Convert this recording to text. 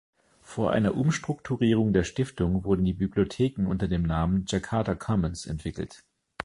Vor einer Umstrukturierung der Stiftung wurden die Bibliotheken unter dem Namen Jakarta Commons entwickelt.